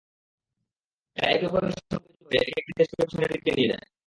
এরা একে অপরের সঙ্গে যুক্ত হয়ে একেকটি দেশকে পেছনের দিকে নিয়ে যায়।